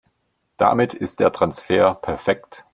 Damit ist der Transfer perfekt.